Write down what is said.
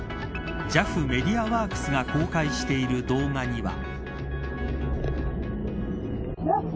ＪＡＦメディアワークスが公開している動画には。